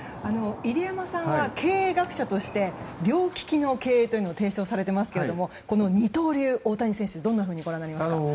入山さんは経営学者として両利きの経営というものを提唱されていますけどこの二刀流大谷選手をどうご覧になりますか？